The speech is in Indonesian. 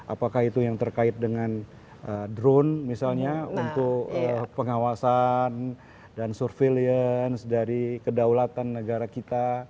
apakah itu yang terkait dengan drone misalnya untuk pengawasan dan surveillance dari kedaulatan negara kita